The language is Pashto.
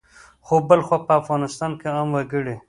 خو بلخوا په افغانستان کې عام وګړي